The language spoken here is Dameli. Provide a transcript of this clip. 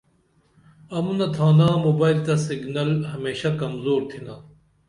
امونہ تھانہ موبائل تہ سگنل ہمیشہ کمزور تھنا۔